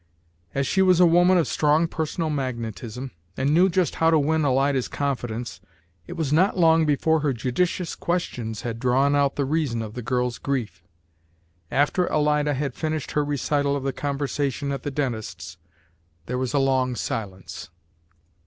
As she was a woman of strong personal magnetism, and knew just how to win Alida's confidence, it was not long before her judicious questions had drawn out the reason of the girl's grief. After Alida had finished her recital of the conversation at the dentist's, there was a long silence.